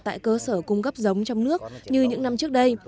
tại cơ sở cung cấp giống trong nước như những năm trước đây